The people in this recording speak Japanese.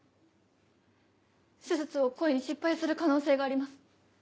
手術を故意に失敗する可能性があります。